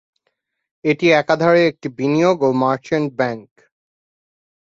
এটি একাধারে একটি বিনিয়োগ ও মার্চেন্ট ব্যাংক।